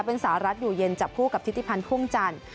เป็นสหรัฐอยู่เย็นจับคู่กับทิศิพันธ์พ่วงจันทร์